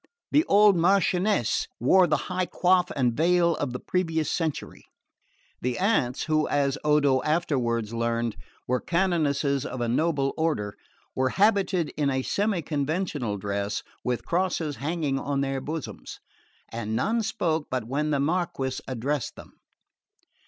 The old Marchioness wore the high coif and veil of the previous century; the aunts, who, as Odo afterwards learned, were canonesses of a noble order, were habited in a semi conventual dress, with crosses hanging on their bosoms; and none spoke but when the Marquess addressed them.